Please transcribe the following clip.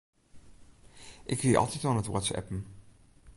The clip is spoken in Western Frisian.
Ik wie altyd oan it whatsappen.